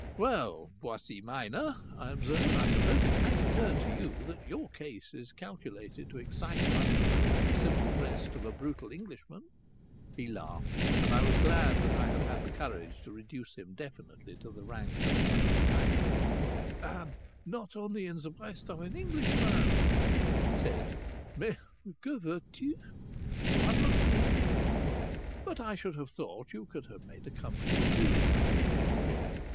"Well, Boissy Minor," I observed, "I suppose it has occurred to you that your case is calculated to excite wonder in the simple breast of a brutal Englishman." He laughed, and I was glad that I had had the courage to reduce him definitely to the rank of Boissy Minor. "And not only in the breast of an Englishman!" he said. "Mais que veux tu? One must live." "But I should have thought you could have made a comfortable living out of engineering.